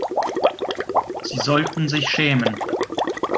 Sie sollten sich schämen!